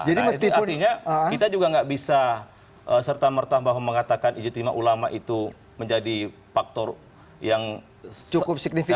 jadi artinya kita juga tidak bisa serta merta bahwa mengatakan ijadzima ulama itu menjadi faktor yang cukup signifikan